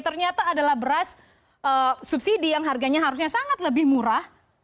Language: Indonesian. ternyata adalah beras subsidi yang harganya harusnya sangat lebih murah